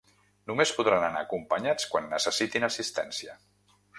Només podran anar acompanyats quan necessitin assistència.